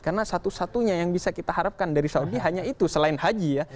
karena satu satunya yang bisa kita harapkan dari saudi hanya itu selain haji ya